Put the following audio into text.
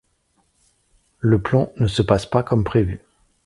Le plan ne se passe pas comme prévu.